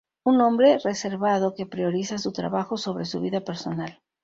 Un hombre reservado que prioriza su trabajo sobre su vida personal.